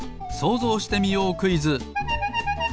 「そうぞうしてみようクイズ」！